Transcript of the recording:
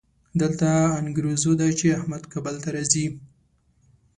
دلته انګروزه ده چې احمد کابل ته راځي.